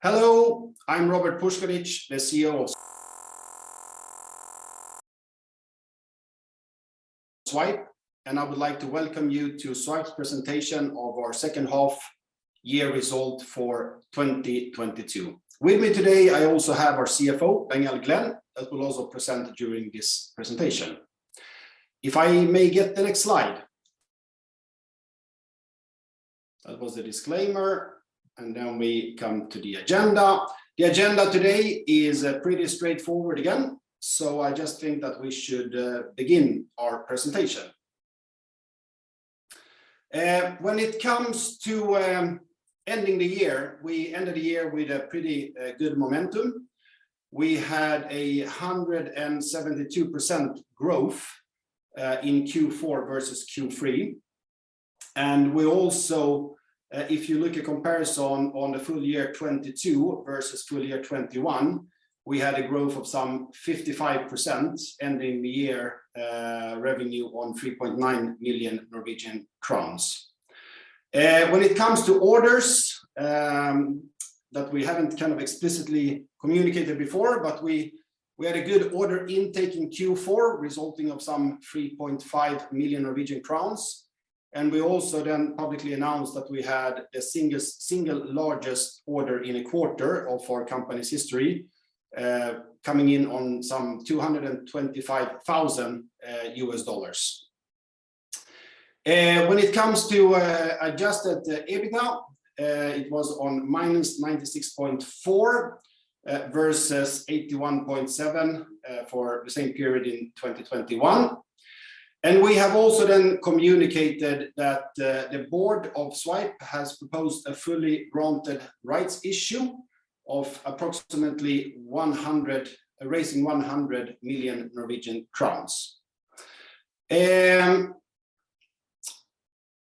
Hello. I'm Robert Puskaric, the CEO of Zwipe, I would like to welcome you to Zwipe's presentation of our second half year result for 2022. With me today I also have our CFO, Danielle Glenn, that will also present during this presentation. If I may get the next slide. That was the disclaimer, and now we come to the agenda. The agenda today is pretty straightforward again, so I just think that we should begin our presentation. When it comes to ending the year, we ended the year with a pretty good momentum. We had 172% growth in Q4 versus Q3. We also, if you look at comparison on the full year 2022 versus full year 2021, we had a growth of some 55% ending the year revenue on 3.9 million Norwegian crowns. When it comes to orders, that we haven't kind of explicitly communicated before, we had a good order intake in Q4, resulting of some 3.5 million Norwegian crowns. We also then publicly announced that we had the single largest order in a quarter of our company's history, coming in on some $225,000. When it comes to adjusted EBITDA, it was on -96.4 versus 81.7 for the same period in 2021. We have also then communicated that the board of Zwipe has proposed a fully granted rights issue of approximately NOK 100 million.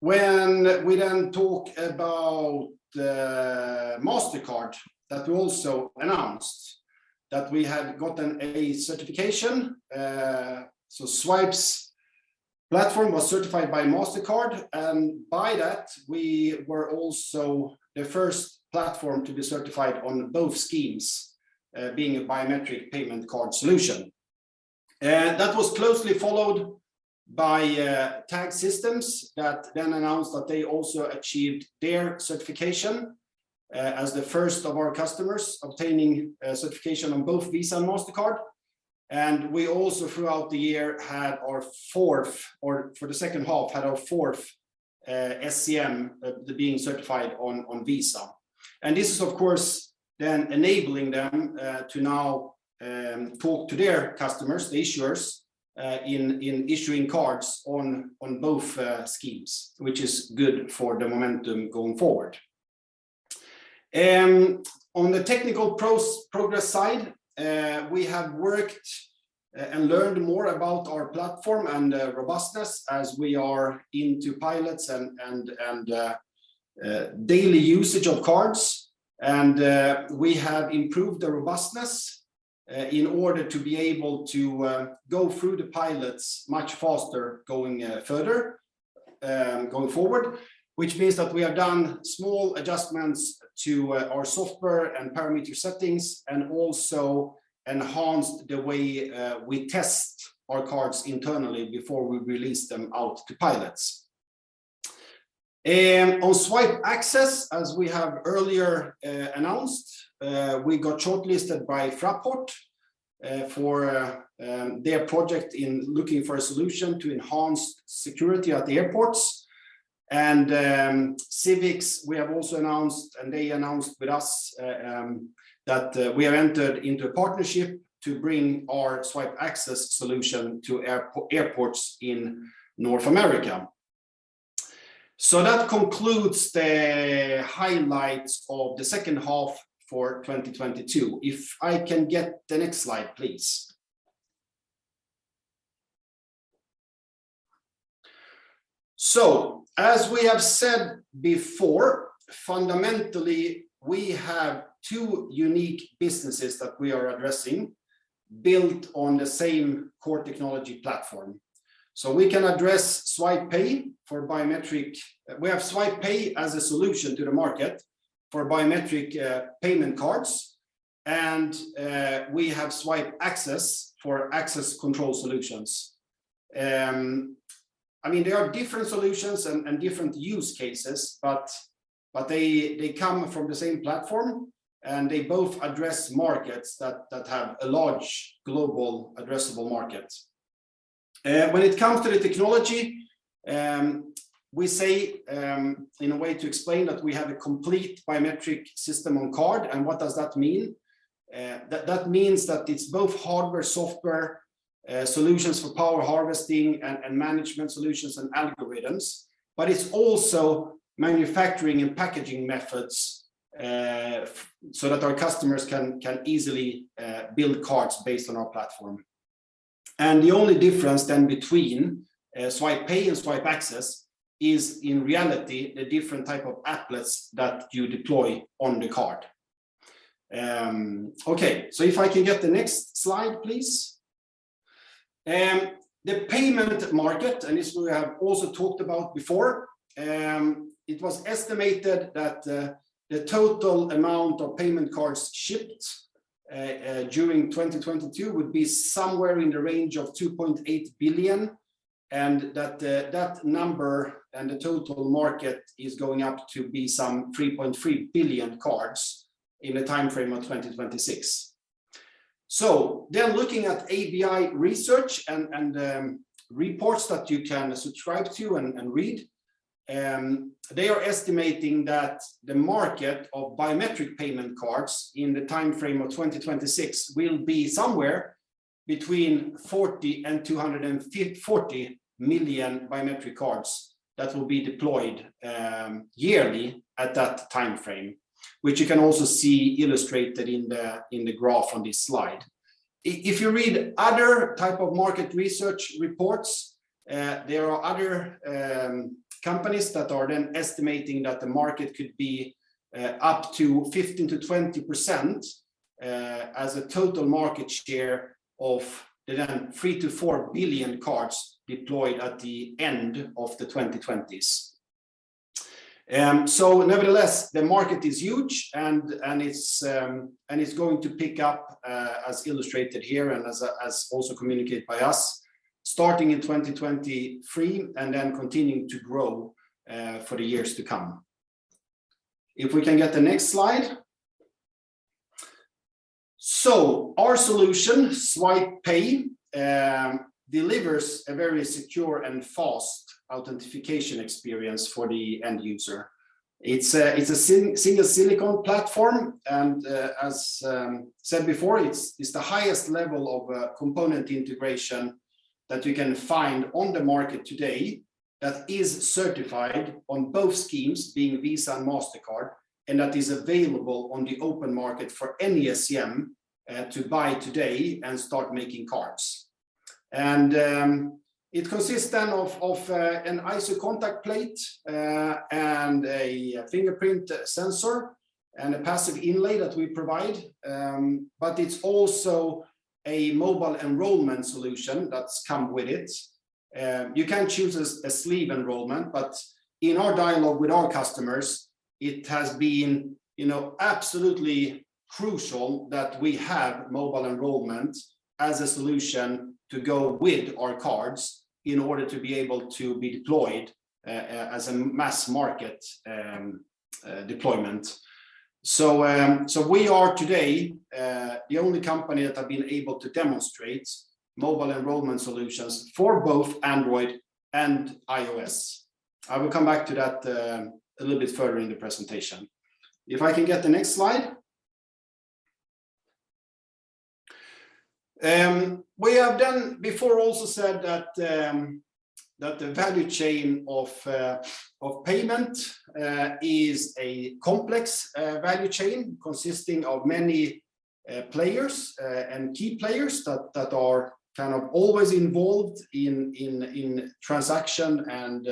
When we then talk about Mastercard, that we also announced that we had gotten a certification. Zwipe's platform was certified by Mastercard, and by that we were also the first platform to be certified on both schemes, being a biometric payment card solution. That was closely followed by Tag Systems that then announced that they also achieved their certification, as the first of our customers obtaining certification on both Visa and Mastercard. We also throughout the year had our fourth, or for the second half, had our fourth SCM, the being certified on Visa.. This is of course then enabling them to now talk to their customers, the issuers, in issuing cards on both schemes, which is good for the momentum going forward. On the technical progress side, we have worked and learned more about our platform and robustness as we are into pilots and daily usage of cards. We have improved the robustness in order to be able to go through the pilots much faster going further going forward, which means that we have done small adjustments to our software and parameter settings, and also enhanced the way we test our cards internally before we release them out to pilots. On Zwipe Access, as we have earlier announced, we got shortlisted by Fraport for their project in looking for a solution to enhance security at the airports. Civix, we have also announced, and they announced with us, that we have entered into a partnership to bring our Zwipe Access solution to airports in North America. That concludes the highlights of the second half for 2022. If I can get the next slide, please. As we have said before, fundamentally we have two unique businesses that we are addressing built on the same core technology platform. We can address Zwipe Pay as a solution to the market for biometric payment cards, and we have Zwipe Access for access control solutions. I mean, they are different solutions and different use cases, but they come from the same platform, and they both address markets that have a large global addressable market. When it comes to the technology, we say in a way to explain that we have a complete biometric system on card. What does that mean? That means that it's both hardware, software, solutions for power harvesting and management solutions and algorithms, but it's also manufacturing and packaging methods, so that our customers can easily build cards based on our platform. The only difference then between Zwipe Pay and Zwipe Access is in reality the different type of applets that you deploy on the card. Okay, if I can get the next slide, please. The payment market, this we have also talked about before, it was estimated that the total amount of payment cards shipped during 2022 would be somewhere in the range of 2.8 billion and that number and the total market is going up to be some 3.3 billion cards in the timeframe of 2026. Looking at ABI Research and reports that you can subscribe to and read, they are estimating that the market of biometric payment cards in the timeframe of 2026 will be somewhere between 40 and 40 million biometric cards that will be deployed yearly at that timeframe, which you can also see illustrated in the graph on this slide. If you read other type of market research reports, there are other companies that are then estimating that the market could be up to 15%-20% as a total market share of then 3billion -4 billion cards deployed at the end of the 2020s. Nevertheless, the market is huge and it's going to pick up as illustrated here and as also communicated by us, starting in 2023 and then continuing to grow for the years to come. If we can get the next slide. Our solution, Zwipe Pay, delivers a very secure and fast authentication experience for the end user. It's a single silicon platform. As said before, it's the highest level of component integration that you can find on the market today that is certified on both schemes, being Visa and Mastercard, and that is available on the open market for any SCM to buy today and start making cards. It consists then of an ISO contact plate and a fingerprint sensor and a passive inlay that we provide. It's also a mobile enrollment solution that's come with it. You can choose a sleeve enrollment, but in our dialogue with our customers, it has been, you know, absolutely crucial that we have mobile enrollment as a solution to go with our cards in order to be able to be deployed as a mass market deployment. We are today the only company that have been able to demonstrate mobile enrollment solutions for both Android and iOS. I will come back to that a little bit further in the presentation. If I can get the next slide. We have done before also said that the value chain of payment is a complex value chain consisting of many players and key players that are kind of always involved in transaction and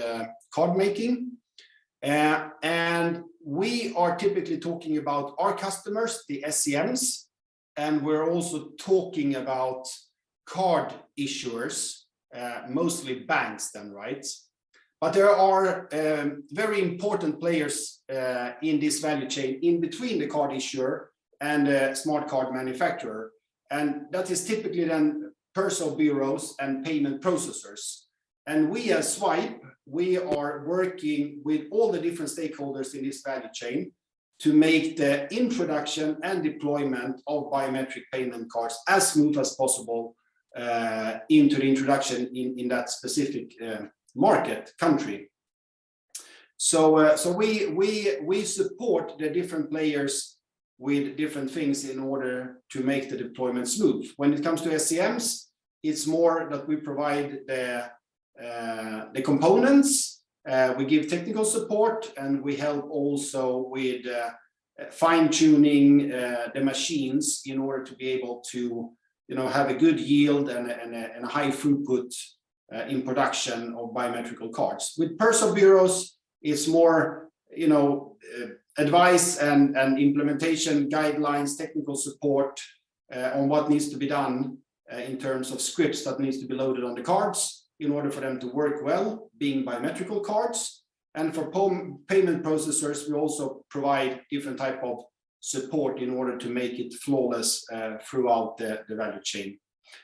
card making. And we are typically talking about our customers, the SCMs, and we're also talking about card issuers, mostly banks then, right? There are very important players in this value chain in between the card issuer and the smart card manufacturer, and that is typically then personalization bureaus and payment processors. We at Zwipe are working with all the different stakeholders in this value chain to make the introduction and deployment of biometric payment cards as smooth as possible, into the introduction in that specific market country. We support the different players with different things in order to make the deployment smooth. When it comes to SCMs, it's more that we provide the components, we give technical support, and we help also with fine-tuning the machines in order to be able to, you know, have a good yield and a high throughput in production of biometric cards. With personalization bureaus, it's more, you know, advice and implementation guidelines, technical support on what needs to be done in terms of scripts that needs to be loaded on the cards in order for them to work well being biometrical cards. For payment processors, we also provide different type of support in order to make it flawless throughout the value chain.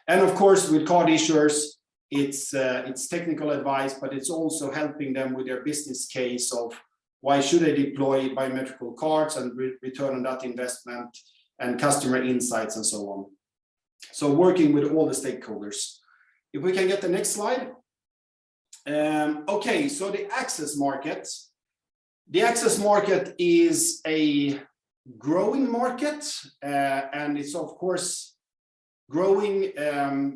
Of course, with card issuers, it's technical advice, but it's also helping them with their business case of why should I deploy biometrical cards and return on that investment and customer insights and so on. Working with all the stakeholders. If we can get the next slide. Okay, the access market. The access market is a growing market, and it's of course growing,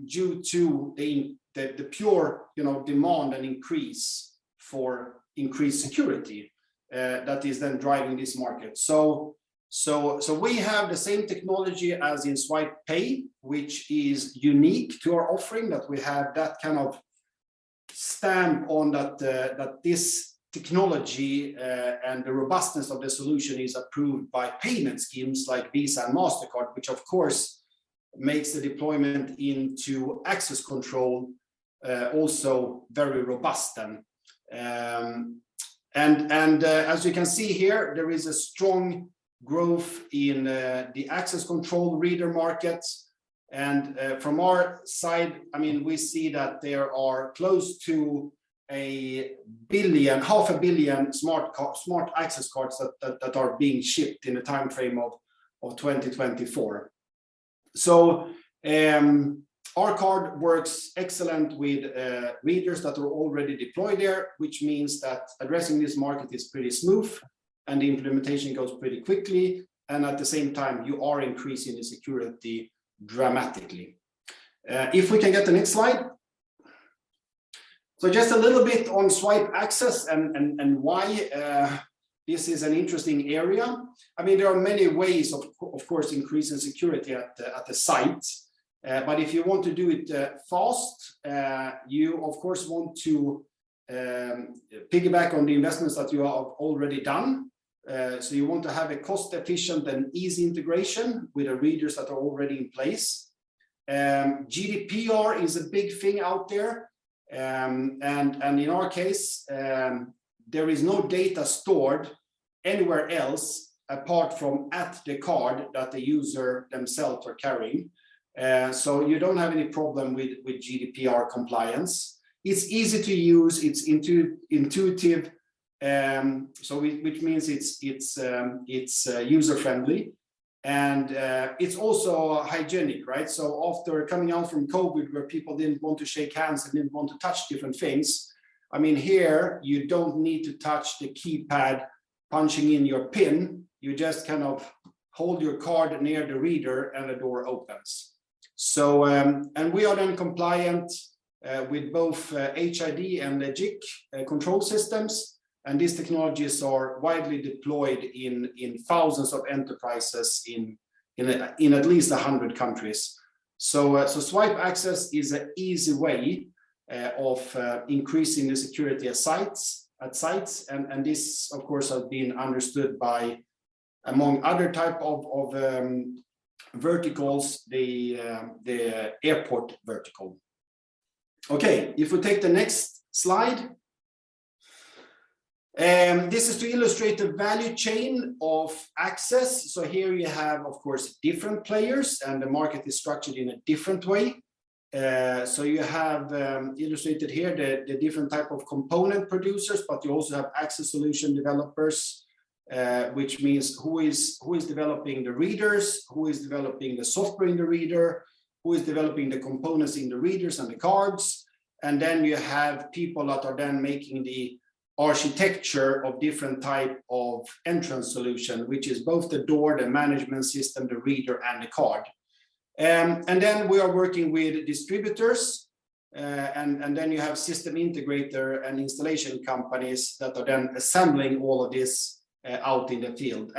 due to the pure, you know, demand and increase for increased security, that is then driving this market. We have the same technology as in Zwipe Pay, which is unique to our offering, that we have that kind of Stamp on that this technology, and the robustness of the solution is approved by payment schemes like Visa and Mastercard, which of course makes the deployment into access control, also very robust then. As you can see here, there is a strong growth in the access control reader markets. From our side, I mean, we see that there are close to 1 billion, 0.5 Billion smart access cards that are being shipped in the timeframe of 2024. Our card works excellent with readers that are already deployed there, which means that addressing this market is pretty smooth, and the implementation goes pretty quickly, and at the same time, you are increasing the security dramatically. If we can get the next slide. Just a little bit on Zwipe Access and why this is an interesting area. I mean, there are many ways of course, increasing security at the site. If you want to do it fast, you of course want to piggyback on the investments that you have already done. You want to have a cost-efficient and easy integration with the readers that are already in place. GDPR is a big thing out there. In our case, there is no data stored anywhere else apart from at the card that the user themself are carrying. You don't have any problem with GDPR compliance. It's easy to use. It's intuitive, user-friendly, and it's also hygienic, right? After coming out from COVID where people didn't want to shake hands and didn't want to touch different things, I mean, here you don't need to touch the keypad punching in your PIN. You just kind of hold your card near the reader, and the door opens. We are then compliant with both HID and Legic control systems, and these technologies are widely deployed in thousands of enterprises in at least 100 countries. Zwipe Access is a easy way of increasing the security of sites, at sites and, this of course has been understood by, among other type of verticals, the airport vertical. Okay, if we take the next slide. This is to illustrate the value chain of access. Here you have of course different players, and the market is structured in a different way. You have illustrated here the different type of component producers, but you also have access solution developers, which means who is developing the readers, who is developing the software in the reader, who is developing the components in the readers and the cards. You have people that are then making the architecture of different type of entrance solution, which is both the door, the management system, the reader, and the card. We are working with distributors, you have system integrator and installation companies that are then assembling all of this out in the field.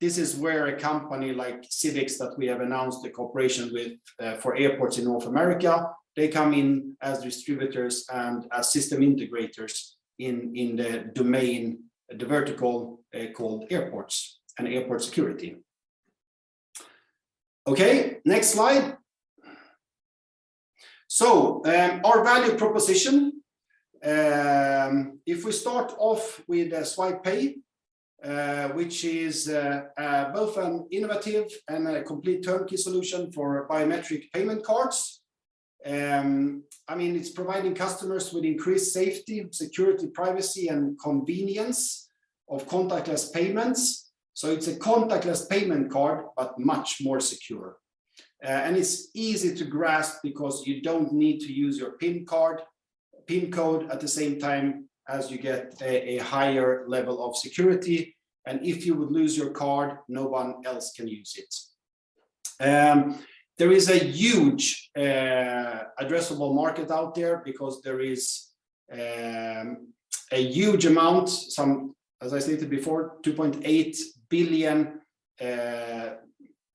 This is where a company like Civix, that we have announced a cooperation with, for airports in North America, they come in as distributors and as system integrators in the domain, the vertical, called airports and airport security. Next slide. Our value proposition, if we start off with Zwipe Pay, which is both an innovative and a complete turnkey solution for biometric payment cards, I mean, it's providing customers with increased safety, security, privacy, and convenience of contactless payments. It's a contactless payment card, but much more secure. It's easy to grasp because you don't need to use your PIN card, PIN code at the same time as you get a higher level of security, and if you would lose your card, no one else can use it. There is a huge addressable market out there because there is a huge amount, some, as I stated before, 2.8 billion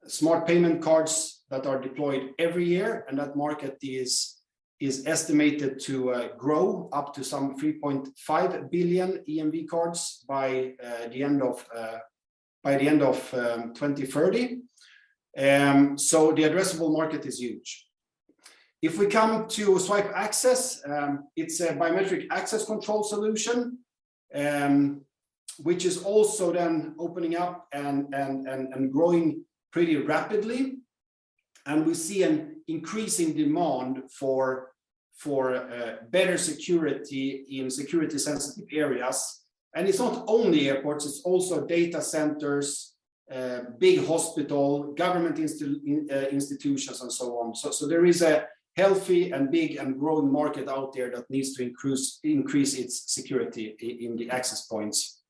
smart payment cards that are deployed every year, and that market is estimated to grow up to some 3.5 billion EMV cards by the end of 2030. The addressable market is huge. If we come to Zwipe Access, it's a biometric access control solution, which is also then opening up and growing pretty rapidly, and we see an increasing demand for better security in security sensitive areas. It's not only airports, it's also data centers, big hospital, government institutions and so on. There is a healthy and big and growing market out there that needs to increase its security in the access points.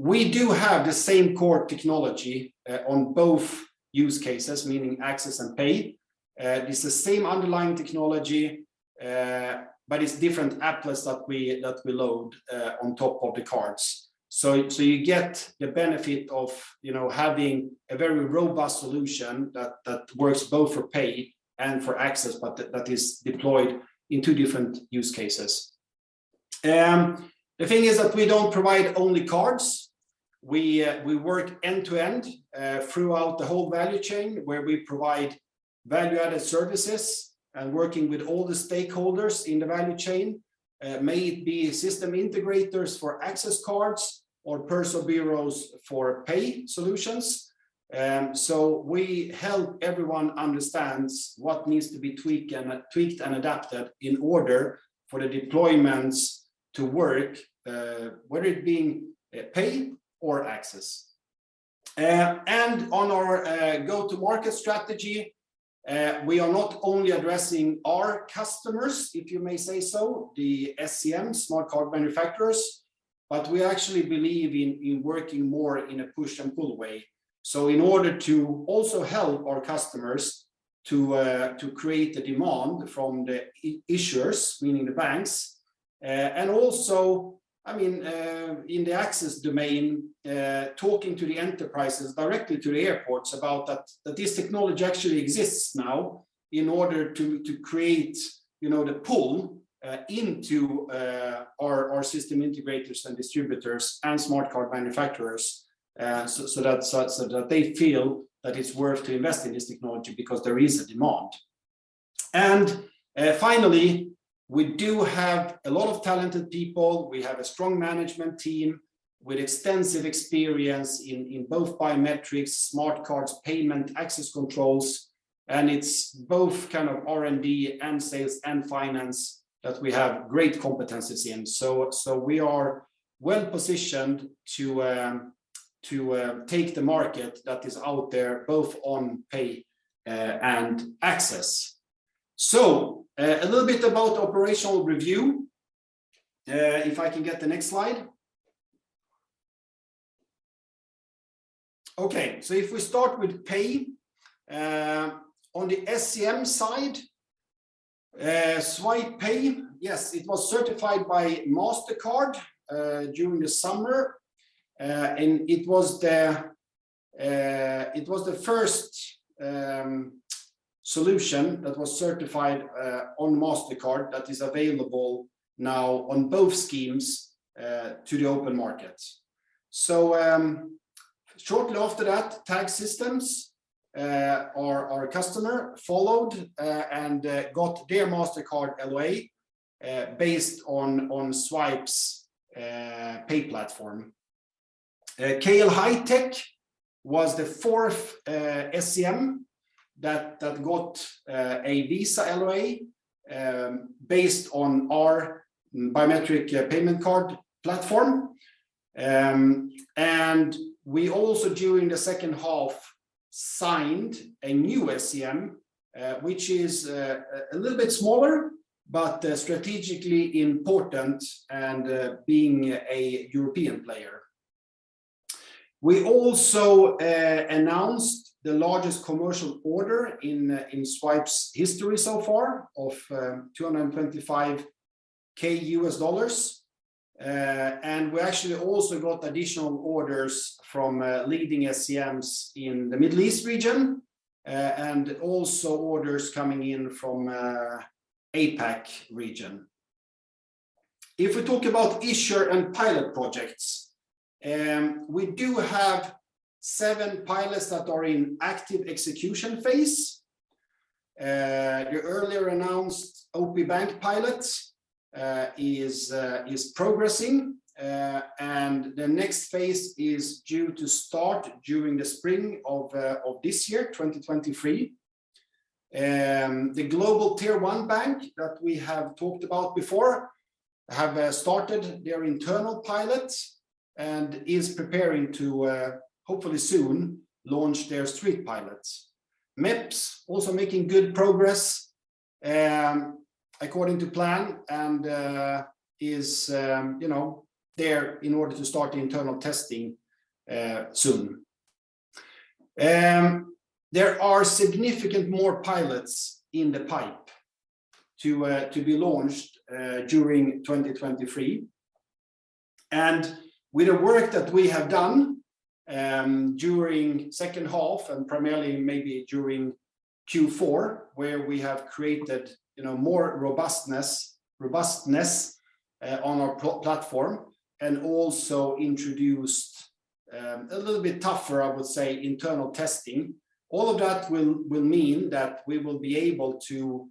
We do have the same core technology on both use cases, meaning access and pay. It's the same underlying technology. It's different applets that we load on top of the cards. You get the benefit of, you know, having a very robust solution that works both for pay and for access, but that is deployed in two different use cases. The thing is that we don't provide only cards. We work end to end throughout the whole value chain, where we provide value-added services and working with all the stakeholders in the value chain, may it be system integrators for access cards or personalization bureaus for pay solutions. We help everyone understands what needs to be tweaked and adapted in order for the deployments to work, whether it being pay or access. On our go-to-market strategy, we are not only addressing our customers, if you may say so, the SCM, smart card manufacturers, but we actually believe in working more in a push and pull way. In order to also help our customers to create the demand from the issuers, meaning the banks, and also, I mean, in the access domain, talking to the enterprises, directly to the airports about that this technology actually exists now in order to create, you know, the pull into our system integrators and distributors and smart card manufacturers, so that they feel that it's worth to invest in this technology because there is a demand. Finally, we do have a lot of talented people. We have a strong management team with extensive experience in both biometrics, smart cards, payment, access controls, and it's both kind of R&D and sales and finance that we have great competencies in. We are well positioned to take the market that is out there, both on Zwipe Pay and Zwipe Access. A little bit about operational review, if I can get the next slide. If we start with Zwipe Pay on the SCM side, Zwipe Pay, yes, it was certified by Mastercard during the summer, and it was the first solution that was certified on Mastercard that is available now on both schemes to the open market. Shortly after that, Tag Systems, our customer followed and got their Mastercard LOA based on Zwipe's pay platform. KL HI-TECH was the fourth SCM that got a Visa LOA based on our biometric payment card platform. We also, during the second half, signed a new SCM, which is a little bit smaller, but strategically important and being a European player. We also announced the largest commercial order in Zwipe's history so far of $225,000. We actually also got additional orders from leading SCMs in the Middle East region and also orders coming in from APAC region. If we talk about issuer and pilot projects, we do have seven pilots that are in active execution phase. The earlier announced OP Bank pilot is progressing, and the next phase is due to start during the spring of this year, 2023. The global Tier 1 Bank that we have talked about before have started their internal pilot and is preparing to hopefully soon launch their street pilots. MEPS also making good progress, according to plan and is, you know, there in order to start the internal testing soon. There are significant more pilots in the pipe to be launched during 2023. With the work that we have done during second half and primarily maybe during Q4, where we have created, you know, more robustness on our platform and also introduced a little bit tougher, I would say, internal testing, all of that will mean that we will be able to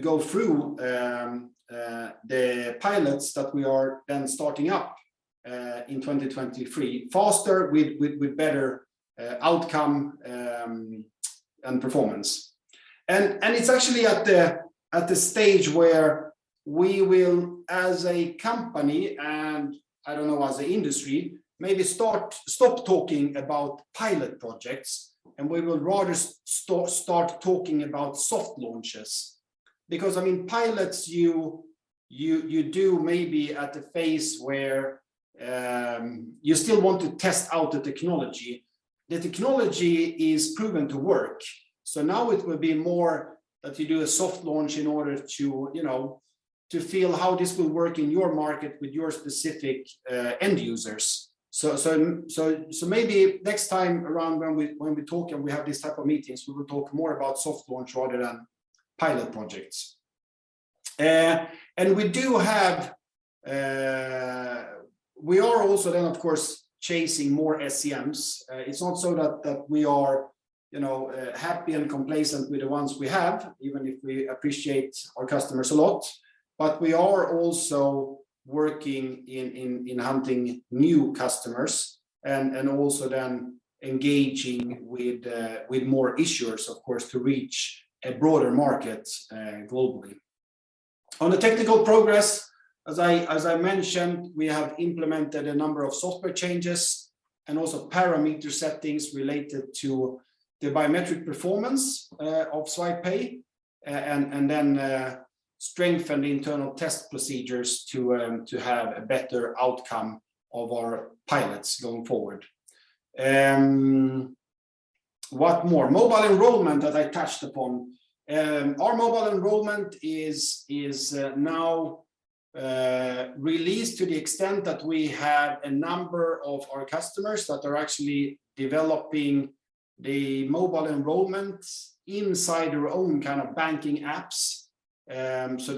go through the pilots that we are then starting up in 2023 faster with better outcome and performance. It's actually at the stage where we will, as a company, and I don't know as a industry, maybe stop talking about pilot projects, and we will rather start talking about soft launches. I mean, pilots, you do maybe at the phase where you still want to test out the technology. The technology is proven to work. Now it will be more that you do a soft launch in order to, you know, to feel how this will work in your market with your specific end users. Maybe next time around when we talk and we have these type of meetings, we will talk more about soft launch rather than pilot projects. We do have, we are also then of course chasing more SMEs. It's not so that we are, you know, happy and complacent with the ones we have, even if we appreciate our customers a lot. We are also working in hunting new customers and also then engaging with more issuers, of course, to reach a broader market globally. On the technical progress, as I mentioned, we have implemented a number of software changes and also parameter settings related to the biometric performance of Zwipe Pay, and then strengthened internal test procedures to have a better outcome of our pilots going forward. What more? Mobile enrollment that I touched upon. Our mobile enrollment is now released to the extent that we have a number of our customers that are actually developing the mobile enrollment inside their own kind of banking apps,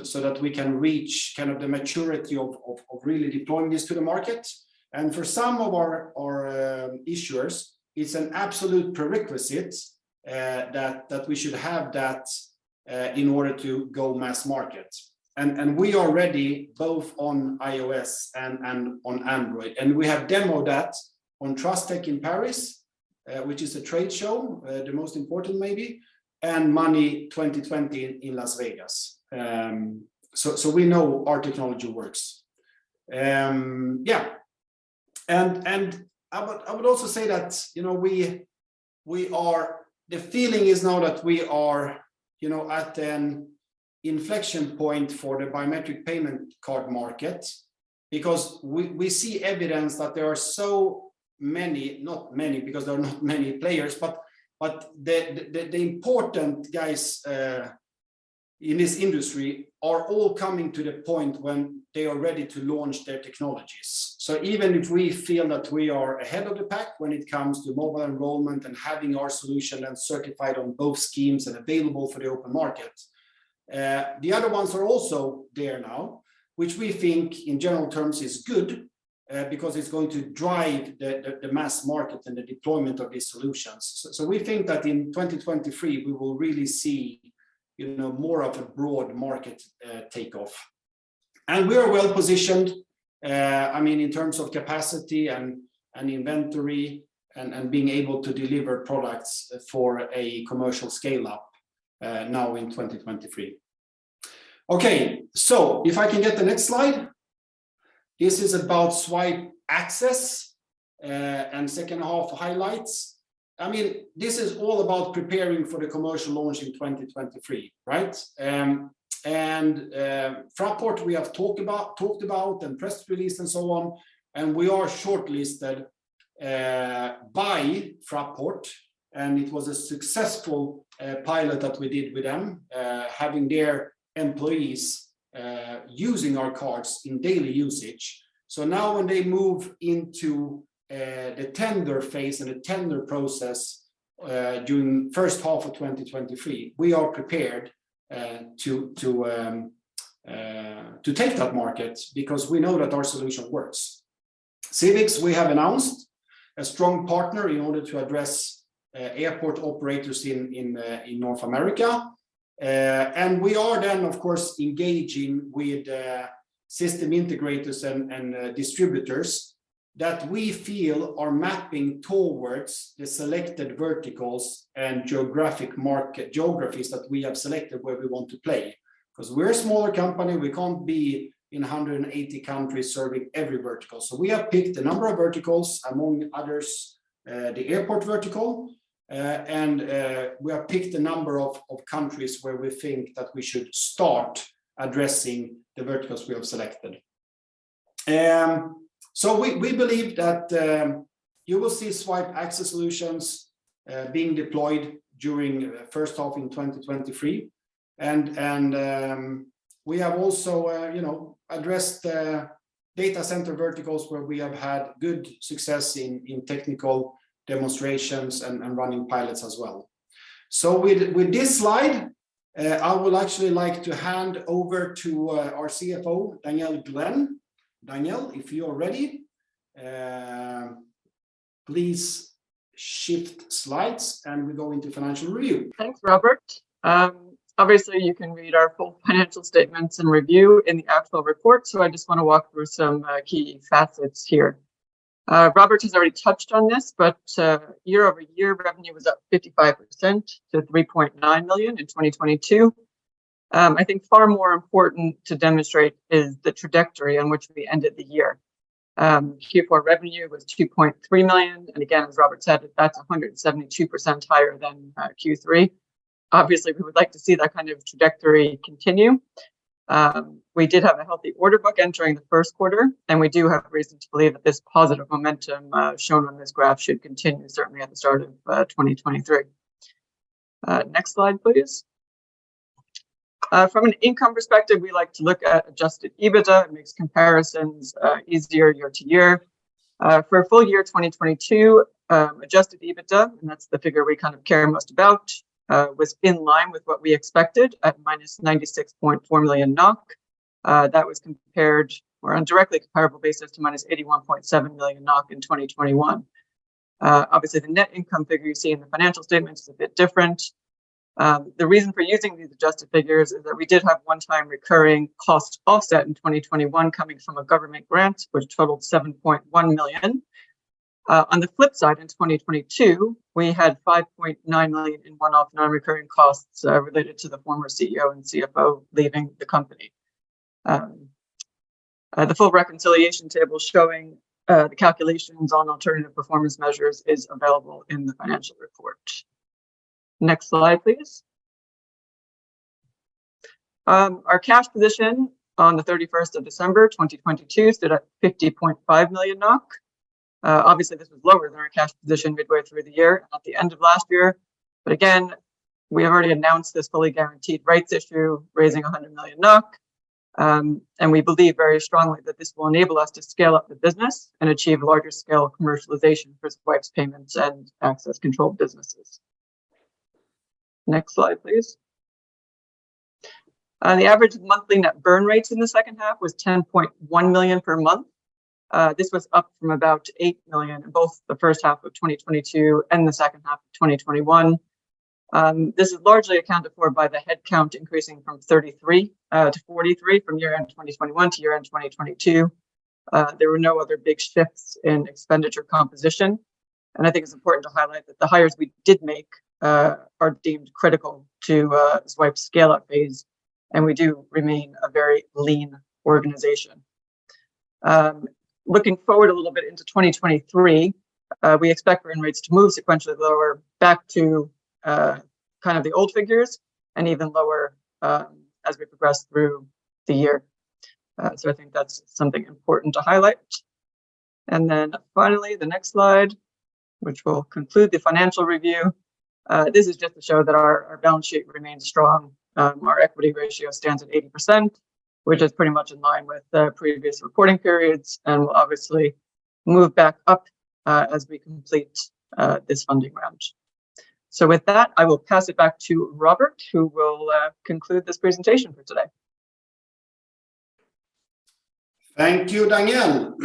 so that we can reach kind of the maturity of really deploying this to the market. For some of our issuers, it's an absolute prerequisite that we should have that in order to go mass market. We are ready both on iOS and on Android, and we have demoed that on TRUSTECH in Paris, which is a trade show, the most important maybe, and Money20/20 in Las Vegas. We know our technology works. Yeah, and I would also say that, you know, The feeling is now that we are, you know, at an inflection point for the biometric payment card market, because we see evidence that there are so many... Not many, because there are not many players, but the important guys in this industry are all coming to the point when they are ready to launch their technologies. Even if we feel that we are ahead of the pack when it comes to mobile enrollment and having our solution then certified on both schemes and available for the open market, the other ones are also there now, which we think in general terms is good, because it's going to drive the mass market and the deployment of these solutions. We think that in 2023 we will really see, you know, more of a broad market take off. We are well positioned, I mean, in terms of capacity and inventory and being able to deliver products for a commercial scale-up now in 2023. If I can get the next slide. This is about Zwipe Access and second half highlights. I mean, this is all about preparing for the commercial launch in 2023, right? Fraport we have talked about in press release and so on, we are shortlisted by Fraport, it was a successful pilot that we did with them, having their employees using our cards in daily usage. Now when they move into a tender phase and a tender process during first half of 2023, we are prepared to take that market because we know that our solution works. Civix, we have announced a strong partner in order to address airport operators in North America. We are then of course engaging with system integrators and distributors that we feel are mapping towards the selected verticals and geographies that we have selected where we want to play. 'Cause we're a smaller company, we can't be in 180 countries serving every vertical. We have picked a number of verticals, among others, the airport vertical, and we have picked a number of countries where we think that we should start addressing the verticals we have selected. We believe that you will see Zwipe Access solutions being deployed during first half in 2023. We have also, you know, addressed the data center verticals where we have had good success in technical demonstrations and running pilots as well. With this slide, I would actually like to hand over to our CFO, Danielle Glenn. Danielle, if you are ready, please shift slides, and we go into financial review. Thanks, Robert. Obviously, you can read our full financial statements and review in the actual report, I just wanna walk through some key facets here. Robert has already touched on this, year-over-year revenue was up 55% to 3.9 million in 2022. I think far more important to demonstrate is the trajectory on which we ended the year. Q4 revenue was 2.3 million, again, as Robert said, that's 172% higher than Q3. Obviously, we would like to see that kind of trajectory continue. We did have a healthy order book entering the 1st quarter, we do have reason to believe that this positive momentum shown on this graph should continue, certainly at the start of 2023. Next slide, please. From an income perspective, we like to look at adjusted EBITDA. It makes comparisons easier year to year. For full year 2022, adjusted EBITDA, and that's the figure we kind of care most about, was in line with what we expected at minus 96.4 million NOK. That was on a directly comparable basis to minus 81.7 million NOK in 2021. Obviously, the net income figure you see in the financial statement is a bit different. The reason for using these adjusted figures is that we did have one-time recurring cost offset in 2021 coming from a government grant, which totaled 7.1 million. On the flip side, in 2022, we had 5.9 million in one-off non-recurring costs related to the former CEO and CFO leaving the company. The full reconciliation table showing the calculations on alternative performance measures is available in the financial report. Next slide, please. Our cash position on the 31st of December, 2022, stood at 50.5 million NOK. Obviously, this was lower than our cash position midway through the year and at the end of last year. We have already announced this fully guaranteed rights issue, raising 100 million NOK. We believe very strongly that this will enable us to scale up the business and achieve larger scale commercialization for Zwipe's payments and access control businesses. Next slide, please. The average monthly net burn rates in the second half was 10.1 million per month. This was up from about 8 million in both the first half of 2022 and the second half of 2021. This is largely accounted for by the headcount increasing from 33 to 43 from year-end 2021 to year-end 2022. There were no other big shifts in expenditure composition. I think it's important to highlight that the hires we did make are deemed critical to Zwipe's scale-up phase, and we do remain a very lean organization. Looking forward a little bit into 2023, we expect burn rates to move sequentially lower back to kind of the old figures and even lower as we progress through the year. I think that's something important to highlight. Finally, the next slide, which will conclude the financial review. This is just to show that our balance sheet remains strong. Our equity ratio stands at 80%, which is pretty much in line with previous reporting periods and will obviously move back up as we complete this funding round. With that, I will pass it back to Robert, who will conclude this presentation for today. Thank you, Danielle.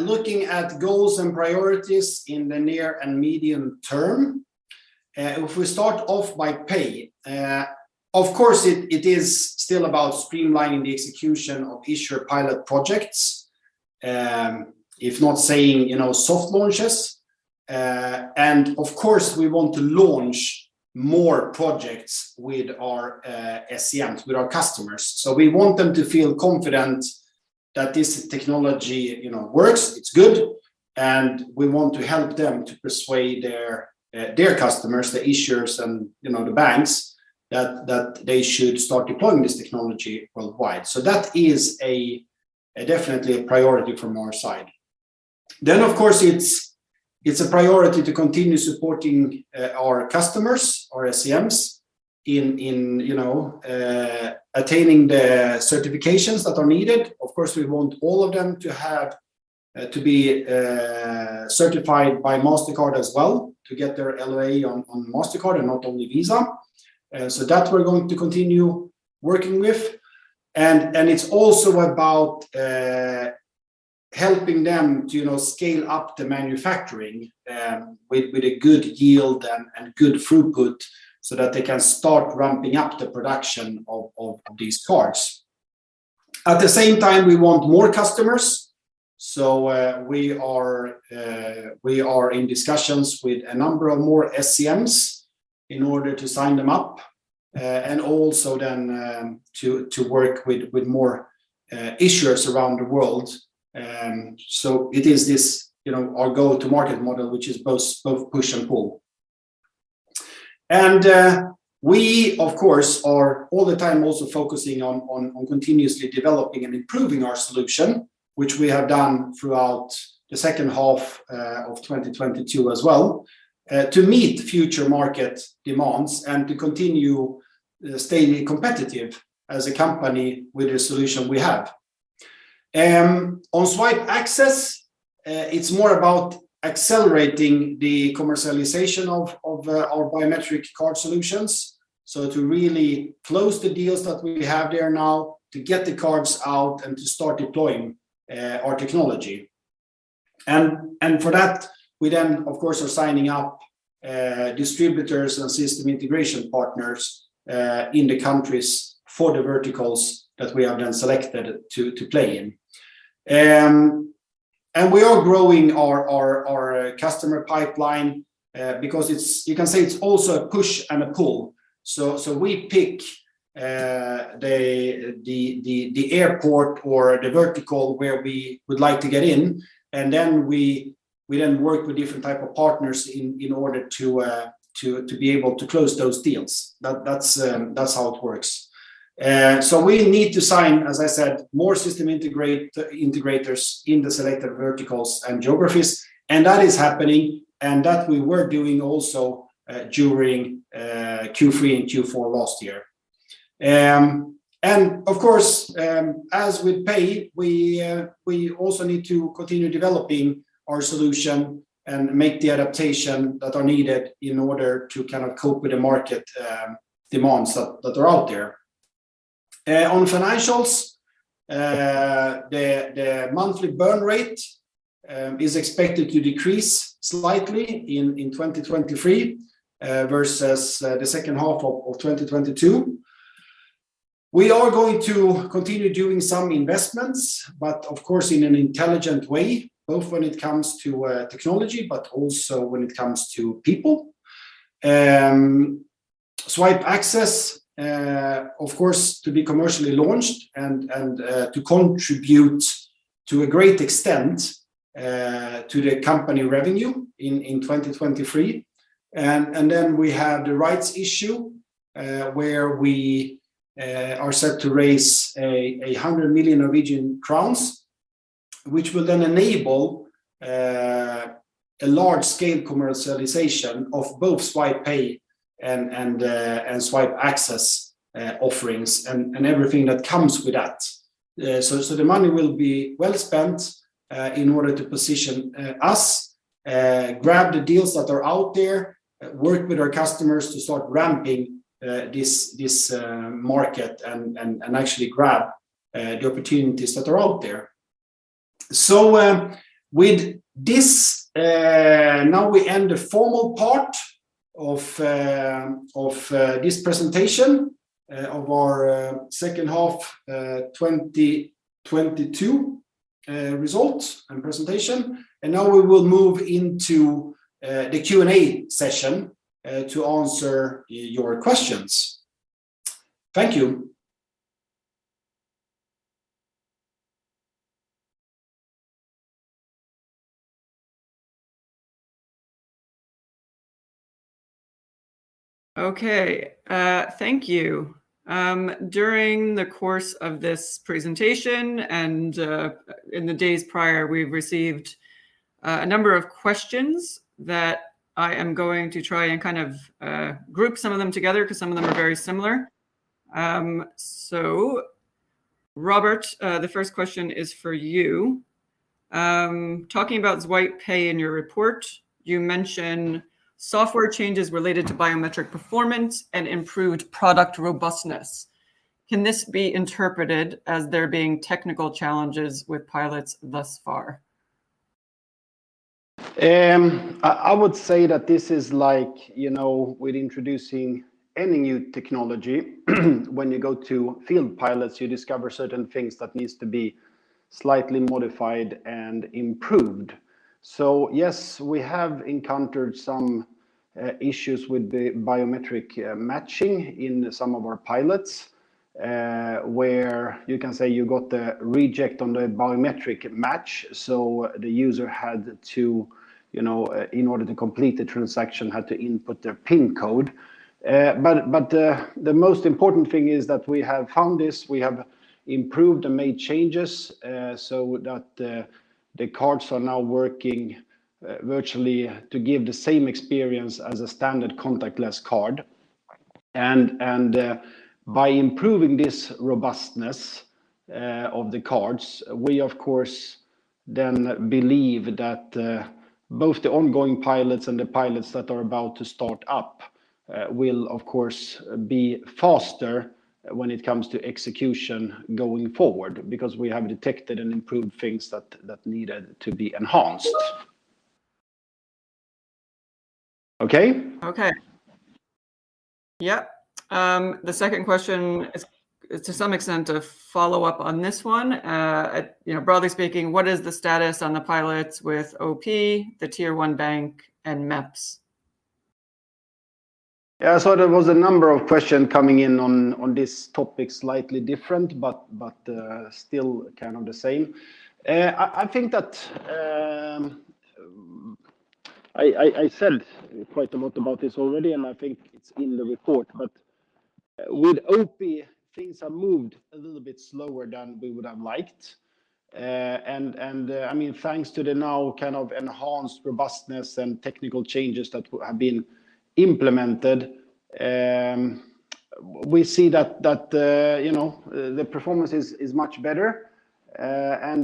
Looking at goals and priorities in the near and medium term, if we start off by Pay, of course, it is still about streamlining the execution of issuer pilot projects, if not saying, you know, soft launches. Of course, we want to launch more projects with our SMEs, with our customers. We want them to feel confident that this technology, you know, works, it's good, and we want to help them to persuade their customers, the issuers, and, you know, the banks that they should start deploying this technology worldwide. That is a definitely a priority from our side. Of course, it's a priority to continue supporting our customers, our SMEs, in, you know, attaining the certifications that are needed. Of course, we want all of them to have, to be certified by Mastercard as well to get their LOA on Mastercard and not only Visa. So that we're going to continue working with. It's also about helping them to, you know, scale up the manufacturing, with a good yield and good throughput so that they can start ramping up the production of these cards. At the same time, we want more customers. We are in discussions with a number of more SMEs in order to sign them up, and also then, to work with more issuers around the world. It is this, you know, our go-to-market model, which is both push and pull. We, of course, are all the time also focusing on continuously developing and improving our solution, which we have done throughout the second half of 2022 as well, to meet future market demands and to continue staying competitive as a company with the solution we have. On Zwipe Access, it's more about accelerating the commercialization of our biometric card solutions. To really close the deals that we have there now, to get the cards out and to start deploying our technology. For that, we then, of course, are signing up distributors and system integration partners in the countries for the verticals that we have then selected to play in. We are growing our customer pipeline because you can say it's also a push and a pull. We pick the airport or the vertical where we would like to get in, and then we then work with different type of partners in order to be able to close those deals. That's how it works. We need to sign, as I said, more system integrators in the selected verticals and geographies, and that is happening, and that we were doing also during Q3 and Q4 last year. Of course, as with Pay, we also need to continue developing our solution and make the adaptation that are needed in order to kind of cope with the market demands that are out there. On financials, the monthly burn rate is expected to decrease slightly in 2023 versus the second half of 2022. We are going to continue doing some investments, but of course in an intelligent way, both when it comes to technology, but also when it comes to people. Zwipe Access, of course, to be commercially launched and to contribute to a great extent to the company revenue in 2023. We have the rights issue, where we are set to raise 100 million Norwegian crowns, which will then enable a large scale commercialization of both Zwipe Pay and Zwipe Access offerings and everything that comes with that. The money will be well spent in order to position us, grab the deals that are out there, work with our customers to start ramping this market and actually grab the opportunities that are out there. With this, now we end the formal part of this presentation of our second half 2022 results and presentation. Now we will move into the Q&A session to answer your questions. Thank you. Okay, thank you. During the course of this presentation and in the days prior, we've received a number of questions that I am going to try and kind of group some of them together because some of them are very similar. Robert, the first question is for you. Talking about Zwipe Pay in your report, you mention software changes related to biometric performance and improved product robustness. Can this be interpreted as there being technical challenges with pilots thus far? I would say that this is like, you know, with introducing any new technology, when you go to field pilots, you discover certain things that needs to be slightly modified and improved. Yes, we have encountered some issues with the biometric matching in some of our pilots, where you can say you got the reject on the biometric match, so the user had to, you know, in order to complete the transaction, had to input their PIN code. The most important thing is that we have found this, we have improved and made changes, so that the cards are now working virtually to give the same experience as a standard contactless card. By improving this robustness of the cards, we of course then believe that both the ongoing pilots and the pilots that are about to start up, will of course be faster when it comes to execution going forward, because we have detected and improved things that needed to be enhanced. Okay? Okay. Yep. The second question is to some extent a follow-up on this one. You know, broadly speaking, what is the status on the pilots with OP, the Tier 1 Bank and MEPS? Yeah, there was a number of question coming in on this topic, slightly different, but still kind of the same. I think that I said quite a lot about this already, and I think it's in the report, but with OP, things have moved a little bit slower than we would have liked. I mean, thanks to the now kind of enhanced robustness and technical changes that have been implemented, we see that, you know, the performance is much better.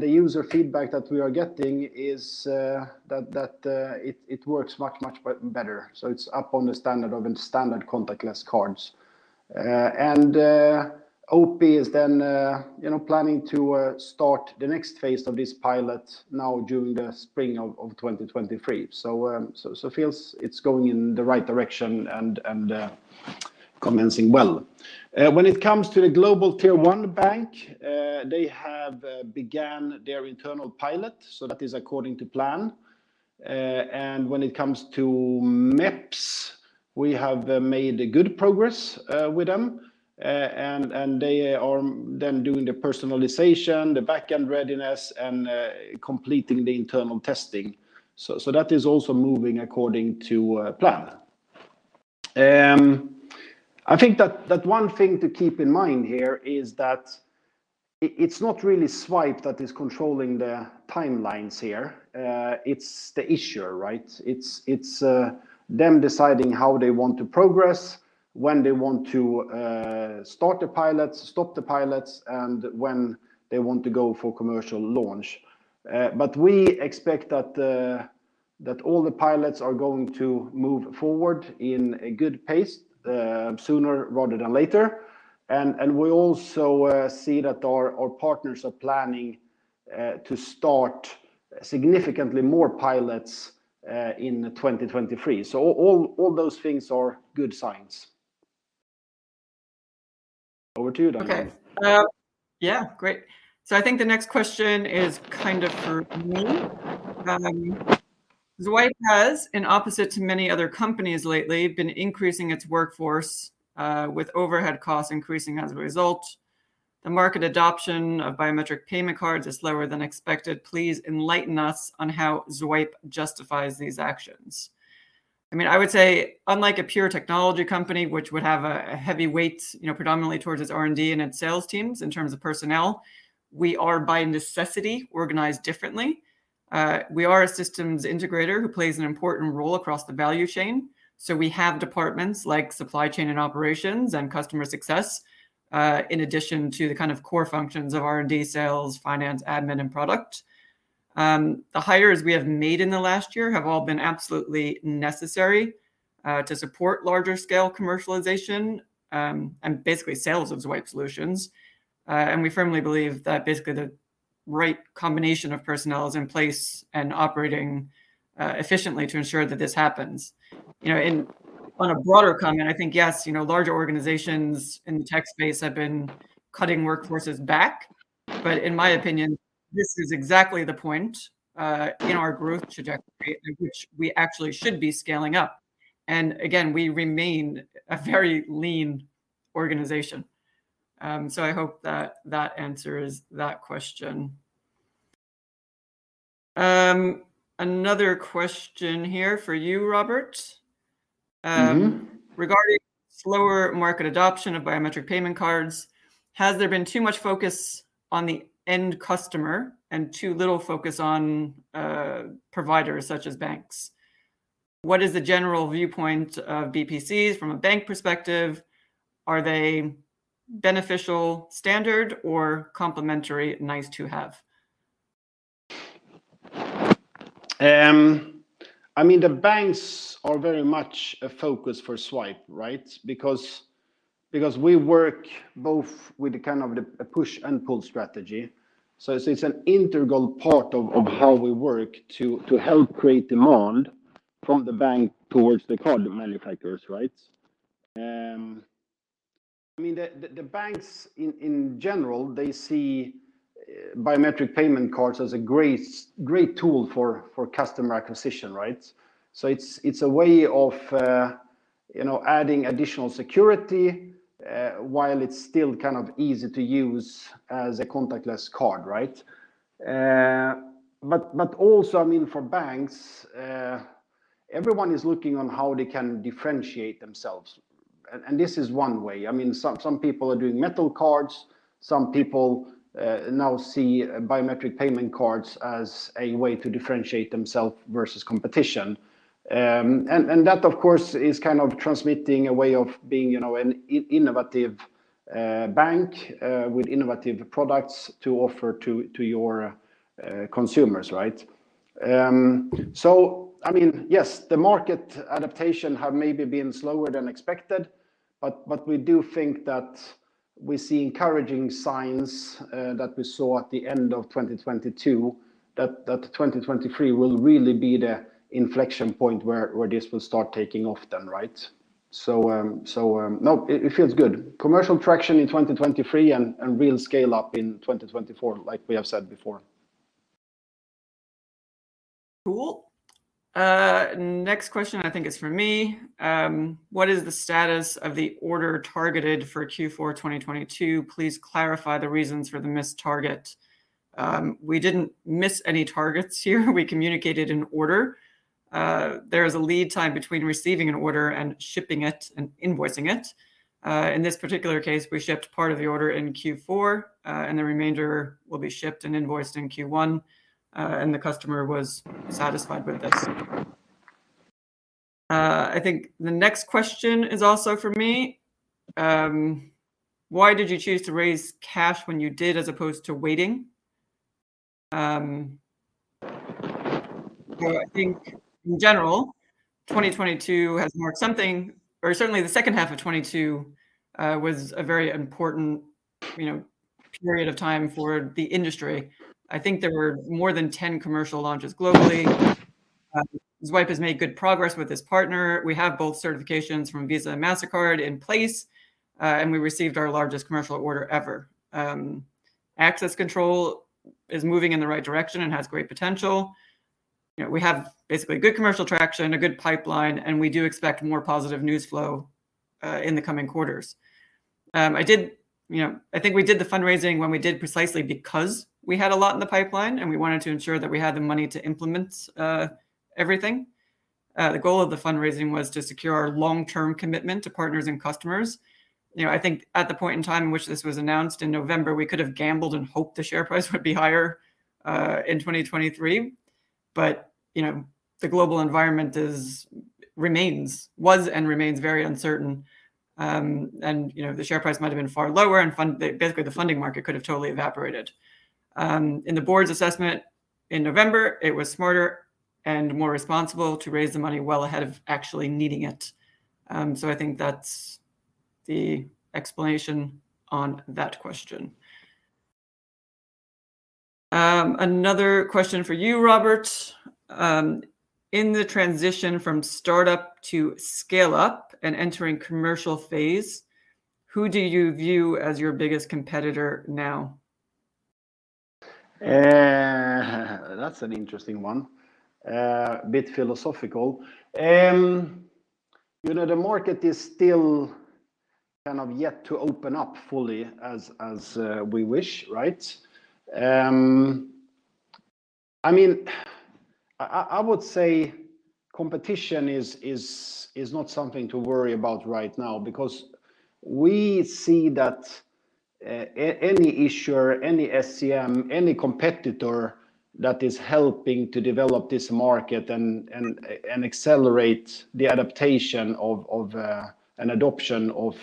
The user feedback that we are getting is that it works much better. It's up on the standard of a standard contactless cards. OP is then, you know, planning to start the next phase of this pilot now during the spring of 2023. Feels it's going in the right direction and commencing well. When it comes to the global Tier 1 Bank, they have began their internal pilot, so that is according to plan. When it comes to MEPS, we have made good progress with them, and they are then doing the personalization, the back-end readiness, and completing the internal testing. That is also moving according to plan. I think that one thing to keep in mind here is that it's not really Zwipe that is controlling the timelines here. It's the issuer, right? It's them deciding how they want to progress, when they want to start the pilots, stop the pilots, and when they want to go for commercial launch. We expect that all the pilots are going to move forward in a good pace sooner rather than later. We also see that our partners are planning to start significantly more pilots in 2023. All those things are good signs. Over to you, Danielle. Okay. Yeah, great. I think the next question is kind of for me. Zwipe has, in opposite to many other companies lately, been increasing its workforce with overhead costs increasing as a result. The market adoption of biometric payment cards is lower than expected. Please enlighten us on how Zwipe justifies these actions. I would say unlike a pure technology company, which would have a heavy weight predominantly towards its R&D and its sales teams in terms of personnel, we are by necessity organized differently. We are a systems integrator who plays an important role across the value chain. We have departments like supply chain and operations and customer success, in addition to the kind of core functions of R&D, sales, finance, admin, and product. The hires we have made in the last year have all been absolutely necessary to support larger scale commercialization and basically sales of Zwipe solutions. We firmly believe that basically the right combination of personnel is in place and operating efficiently to ensure that this happens. You know, on a broader comment, I think, yes, you know, larger organizations in the tech space have been cutting workforces back. In my opinion, this is exactly the point in our growth trajectory in which we actually should be scaling up. Again, we remain a very lean organization. I hope that that answers that question. Another question here for you, Robert. Mm-hmm. Regarding slower market adoption of biometric payment cards, has there been too much focus on the end customer and too little focus on providers such as banks? What is the general viewpoint of BPCs from a bank perspective? Are they beneficial standard or complementary nice to have? I mean, the banks are very much a focus for Zwipe, right? Because we work both with kind of a push and pull strategy. It's an integral part of how we work to help create demand from the bank towards the card manufacturers, right? I mean, the banks in general, they see biometric payment cards as a great tool for customer acquisition, right? It's a way of, you know, adding additional security while it's still kind of easy to use as a contactless card, right? Also, I mean, for banks, everyone is looking on how they can differentiate themselves. This is one way. I mean, some people are doing metal cards. Some people now see biometric payment cards as a way to differentiate themselves versus competition. That, of course, is kind of transmitting a way of being, you know, an innovative bank with innovative products to offer to your consumers, right? I mean, yes, the market adaptation have maybe been slower than expected. We do think that we see encouraging signs that we saw at the end of 2022 that 2023 will really be the inflection point where this will start taking off then, right? No, it feels good. Commercial traction in 2023 and real scale up in 2024, like we have said before. Cool. Next question I think is for me. What is the status of the order targeted for Q4 2022? Please clarify the reasons for the missed target. We didn't miss any targets here. We communicated an order. There is a lead time between receiving an order and shipping it and invoicing it. In this particular case, we shipped part of the order in Q4 and the remainder will be shipped and invoiced in Q1. The customer was satisfied with this. I think the next question is also for me. Why did you choose to raise cash when you did as opposed to waiting? I think in general, 2022 has marked something or certainly the second half of 2022 was a very important period of time for the industry. I think there were more than 10 commercial launches globally. Zwipe has made good progress with this partner. We have both certifications from Visa and Mastercard in place and we received our largest commercial order ever. Access control is moving in the right direction and has great potential. You know, we have basically good commercial traction, a good pipeline, and we do expect more positive news flow in the coming quarters. You know, I think we did the fundraising when we did precisely because we had a lot in the pipeline, and we wanted to ensure that we had the money to implement everything. The goal of the fundraising was to secure our long-term commitment to partners and customers. You know, I think at the point in time in which this was announced in November, we could have gambled and hoped the share price would be higher in 2023. You know, the global environment was and remains very uncertain. You know, the share price might have been far lower, and basically, the funding market could have totally evaporated. In the board's assessment in November, it was smarter and more responsible to raise the money well ahead of actually needing it. I think that's the explanation on that question. Another question for you, Robert. In the transition from startup to scale-up and entering commercial phase, who do you view as your biggest competitor now? That's an interesting one. A bit philosophical. You know, the market is still kind of yet to open up fully as we wish, right? I mean, I would say competition is not something to worry about right now because we see that any issuer, any SCM, any competitor that is helping to develop this market and accelerate the adaptation of and adoption of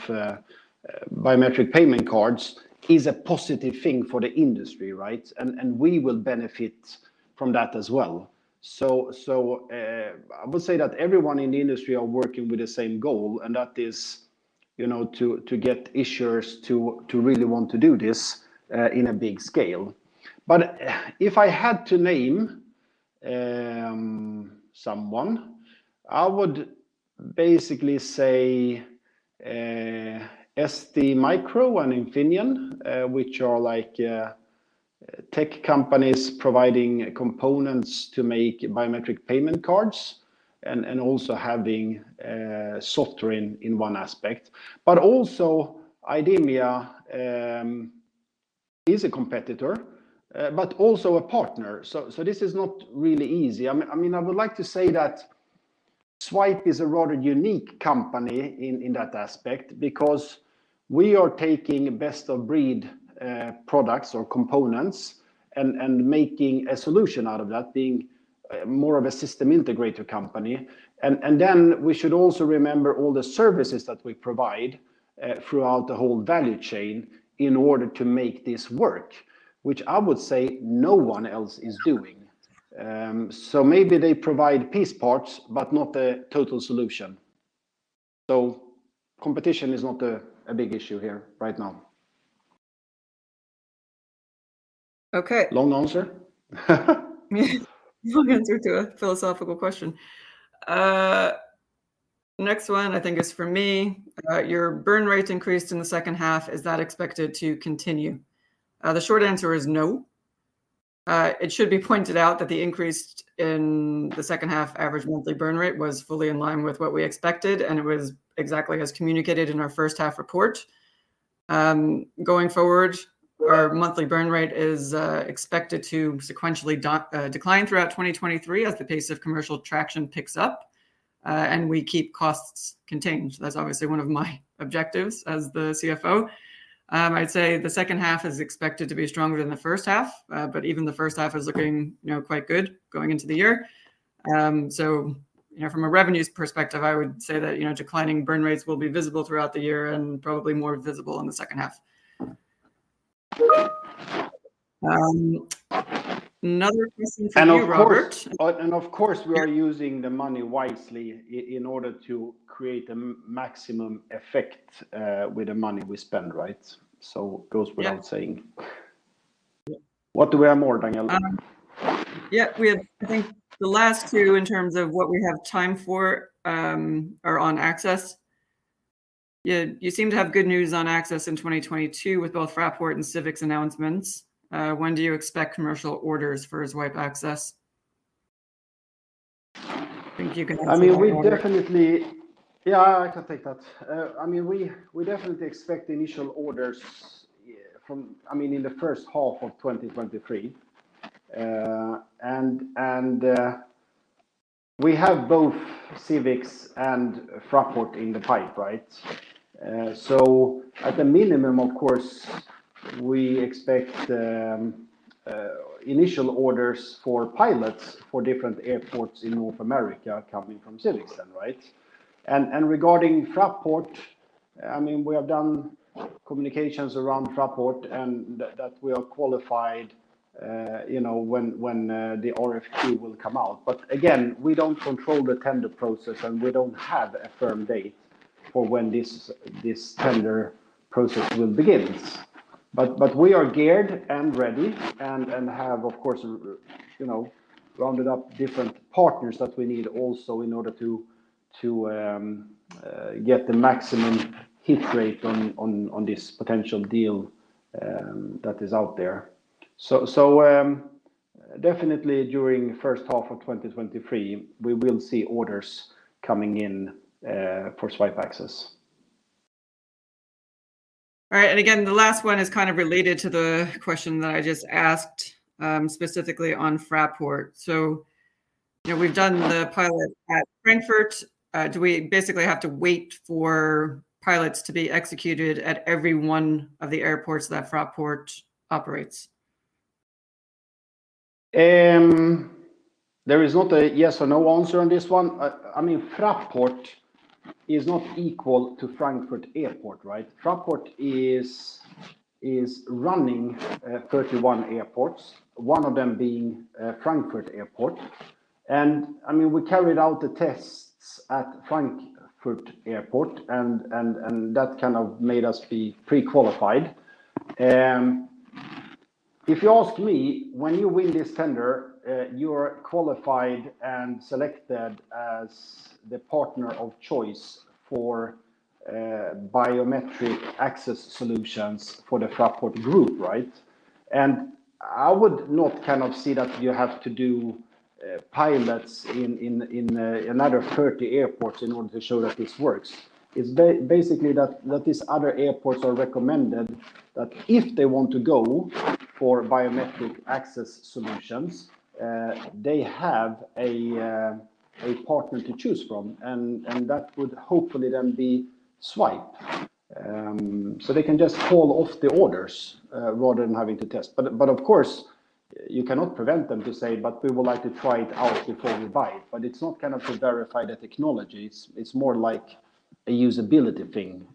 biometric payment cards is a positive thing for the industry, right? We will benefit from that as well. I would say that everyone in the industry are working with the same goal, and that is, you know, to get issuers to really want to do this in a big scale. If I had to name someone, I would basically say STMicro and Infineon, which are like tech companies providing components to make biometric payment cards and also having software in one aspect. Also IDEMIA is a competitor, but also a partner. This is not really easy. I mean, I would like to say that Zwipe is a rather unique company in that aspect because we are taking best-of-breed products or components and making a solution out of that, being more of a system integrator company. Then we should also remember all the services that we provide throughout the whole value chain in order to make this work, which I would say no one else is doing. Maybe they provide piece parts, but not the total solution. Competition is not a big issue here right now. Okay. Long answer. Yeah. Long answer to a philosophical question. Next one I think is for me. Your burn rate increased in the second half. Is that expected to continue? The short answer is no. It should be pointed out that the increase in the second half average monthly burn rate was fully in line with what we expected, it was exactly as communicated in our first half report. Going forward, our monthly burn rate is expected to sequentially decline throughout 2023 as the pace of commercial traction picks up, we keep costs contained. That's obviously one of my objectives as the CFO. I'd say the second half is expected to be stronger than the first half, even the first half is looking, you know, quite good going into the year. You know, from a revenues perspective, I would say that, you know, declining burn rates will be visible throughout the year and probably more visible in the second half. Another question for you, Robert. Of course, we are using the money wisely in order to create maximum effect, with the money we spend, right? Goes without saying. Yeah. What do we have more, Danielle? Yeah, I think the last two in terms of what we have time for are on access. You seem to have good news on access in 2022 with both Fraport and Civix announcements. When do you expect commercial orders for Zwipe Access? I think you can take that one, Robert. I mean, we definitely. Yeah, I can take that. I mean, we definitely expect initial orders, yeah, from, I mean, in the first half of 2023. We have both Civix and Fraport in the pipe, right? At the minimum, of course, we expect initial orders for pilots for different airports in North America coming from Civix then, right? Regarding Fraport, I mean, we have done communications around Fraport and that we are qualified, you know, when the RFP will come out. Again, we don't control the tender process, and we don't have a firm date for when this tender process will begin. We are geared and ready and have, of course, you know, rounded up different partners that we need also in order to get the maximum hit rate on this potential deal that is out there. Definitely during first half of 2023, we will see orders coming in for Zwipe Access. All right. Again, the last one is kind of related to the question that I just asked, specifically on Fraport. You know, we've done the pilot at Frankfurt. Do we basically have to wait for pilots to be executed at every one of the airports that Fraport operates? There is not a yes or no answer on this one. I mean, Fraport is not equal to Frankfurt Airport, right? Fraport is running 31 airports, one of them being Frankfurt Airport. I mean, we carried out the tests at Frankfurt Airport and that kind of made us be pre-qualified. If you ask me, when you win this tender, you are qualified and selected as the partner of choice for biometric access solutions for the Fraport Group, right? I would not kind of see that you have to do pilots in another 30 airports in order to show that this works. It's basically that these other airports are recommended that if they want to go for biometric access solutions, they have a partner to choose from and that would hopefully then be Zwipe. They can just call off the orders rather than having to test. Of course, you cannot prevent them to say, "But we would like to try it out before we buy it." It's not kind of to verify the technology, it's more like a usability thing.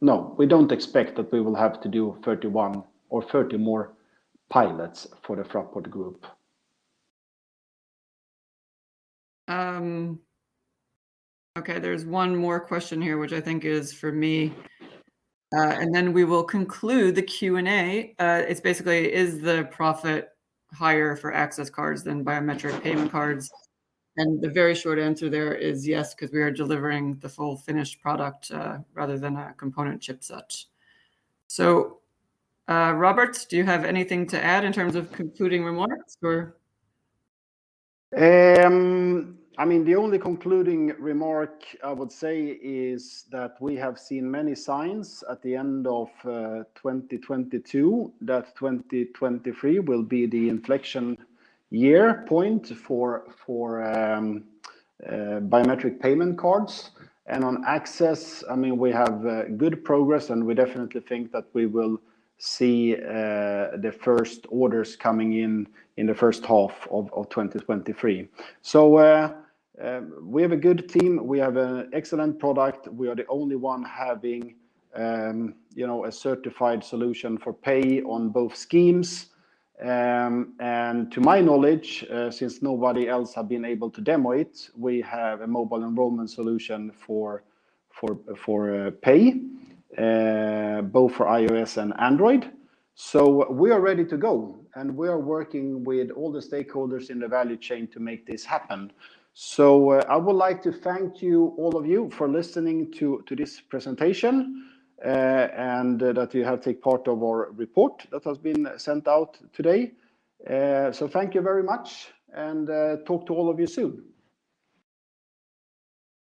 No, we don't expect that we will have to do 31 or 30 more pilots for the Fraport Group. Okay, there's one more question here, which I think is for me, and then we will conclude the Q&A. It's basically, is the profit higher for access cards than biometric payment cards? The very short answer there is yes, 'cause we are delivering the full finished product, rather than a component chipset. Robert, do you have anything to add in terms of concluding remarks or... I mean, the only concluding remark I would say is that we have seen many signs at the end of 2022 that 2023 will be the inflection year point for biometric payment cards. On access, I mean, we have good progress, and we definitely think that we will see the first orders coming in in the first half of 2023. We have a good team. We have an excellent product. We are the only one having, you know, a certified solution for pay on both schemes. To my knowledge, since nobody else have been able to demo it, we have a mobile enrollment solution for pay, both for iOS and Android. We are ready to go, and we are working with all the stakeholders in the value chain to make this happen. I would like to thank you, all of you, for listening to this presentation, and that you have take part of our report that has been sent out today. Thank you very much and talk to all of you soon.